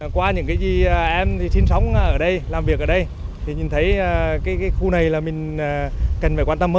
qua những cái gì em thì sinh sống ở đây làm việc ở đây thì nhìn thấy cái khu này là mình cần phải quan tâm